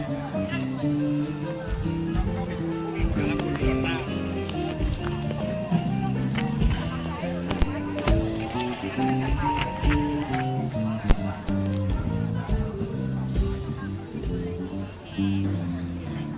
เดี๋ยวเรานะคะจะไปฟังเสียงของประชาชนกันค่ะ